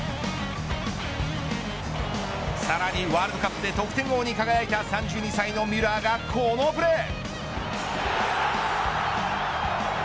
さらにワールドカップで得点王に輝いた３２歳のミュラーがこのプレー。